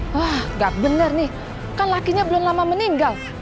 wah gak bener nih kan lakinya belum lama meninggal